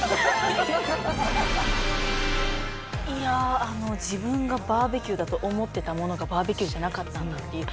いやあ自分がバーベキューだと思ってたものがバーベキューじゃなかったんだっていう。